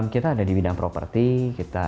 kita ada di bidang properti kita